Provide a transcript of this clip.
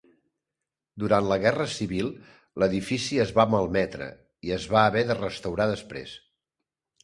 Durant la Guerra Civil l'edifici es va malmetre i es va haver de restaurar després.